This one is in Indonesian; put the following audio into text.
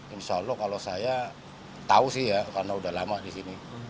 insya allah kalau saya tahu sih ya karena udah lama di sini